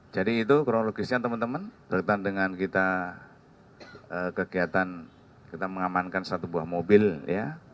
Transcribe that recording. jadi itu kronologisnya teman teman berhubungan dengan kita kegiatan kita mengamankan satu buah mobil ya